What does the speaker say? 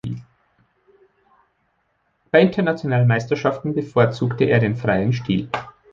Bei internationalen Meisterschaften bevorzugte er den freien Stil.